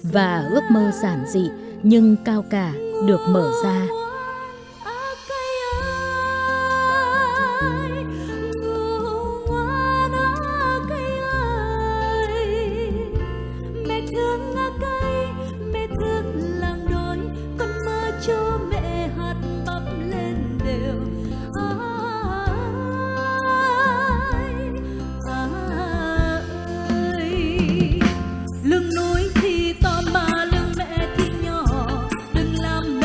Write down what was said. và ước mơ giản dị nhưng cao cả được mở ra